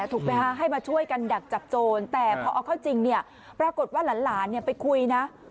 ถูกไหมคะให้มาช่วยกันดักจับโจรแต่พอเอาเข้าจริงเนี่ยปรากฏว่าหลานไปคุยนะ